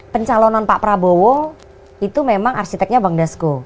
pencalonan pak prabowo itu memang arsiteknya bang dasko